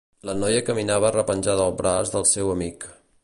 La noia caminava repenjada al braç del seu amic.